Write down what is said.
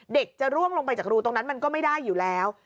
เด็กจะร่วงลงไปจากรูตรงนั้นมันก็ไม่ได้อยู่แล้ว